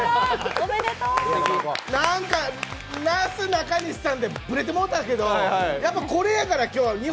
なすなかにしさんでブレてもうたけど、やっぱこれやから、今日は。